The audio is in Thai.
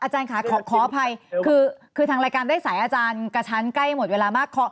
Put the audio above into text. อาจารย์ค่ะขออภัยคือทางรายการได้ใส่อาจารย์กับฉันใกล้หมดเวลามาก